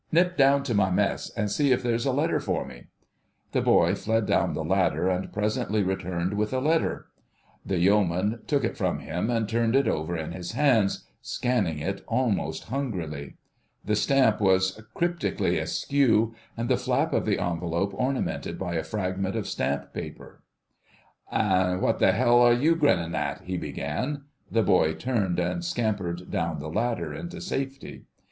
"Nip down to my mess an' see if there's a letter for me." The boy fled down the ladder and presently returned with a letter. The Yeoman took it from him and turned it over in his hands, scanning it almost hungrily. The stamp was cryptically askew and the flap of the envelope ornamented by a fragment of stamp paper. "An' what the 'ell are you grinnin' at?" he began. The boy turned and scampered down the ladder into safety.